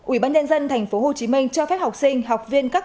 ủy ban nhân dân thành phố hồ chí minh cho phép học sinh học viên